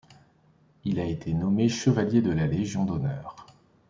Il a été nommé chevalier de la Légion d'honneur.